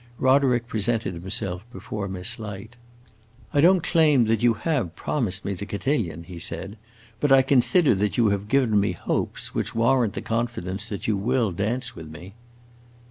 Roderick presented himself before Miss Light. "I don't claim that you have promised me the cotillon," he said, "but I consider that you have given me hopes which warrant the confidence that you will dance with me."